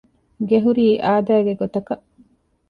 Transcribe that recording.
ގެ ހުރީ އާދައިގެ ގޮތަކަށް